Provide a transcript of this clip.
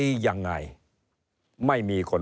เริ่มตั้งแต่หาเสียงสมัครลง